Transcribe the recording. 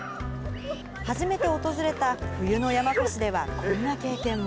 初めて訪れた冬の山古志では、こんな経験も。